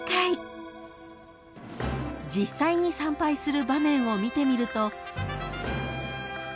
［実際に参拝する場面を見てみると］